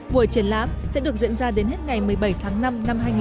buổi triển lãm sẽ được diễn ra đến hết ngày một mươi bảy tháng năm năm hai nghìn một mươi chín